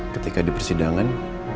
ketika di persidangan